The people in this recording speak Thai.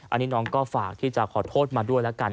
อันนี้น้องก็ฝากที่จะขอโทษมาด้วยแล้วกัน